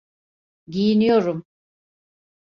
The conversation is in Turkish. Giyiniyorum.